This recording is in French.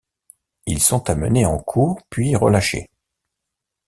Ils sont amenés en cour puis relâchés.